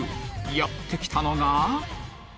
やって来たのが